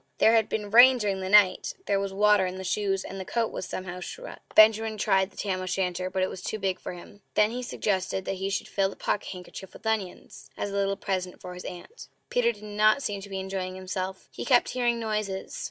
There had been rain during the night; there was water in the shoes, and the coat was somewhat shrunk. Benjamin tried on the tam o' shanter, but it was too big for him. Then he suggested that they should fill the pocket handkerchief with onions, as a little present for his Aunt. Peter did not seem to be enjoying himself; he kept hearing noises.